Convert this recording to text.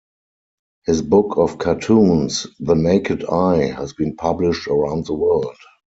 His book of cartoons, "The Naked Eye", has been published around the world.